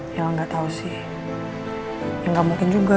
yang nggak tahu sih nggak mungkin juga